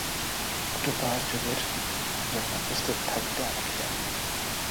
একটু পাওয়ার যোগের জন্য প্রস্তুত থাকলে আমাকে জানিও।